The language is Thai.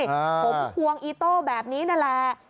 ผมควงอีโต้แบบนี้นั่นแหละ